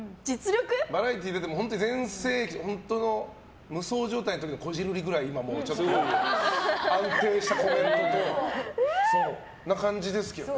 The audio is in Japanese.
バラエティー出ても本当に無双状態のこじるりぐらい安定したコメントな感じですけどね